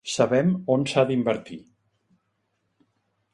Sabem on s’ha d’invertir